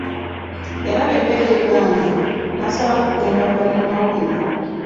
Yalaba embeera egaanye, n’asalawo okugenda mu bannamawulire.